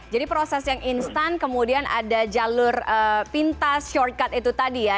jadi proses yang instan kemudian ada jalur pintas shortcut itu tadi ya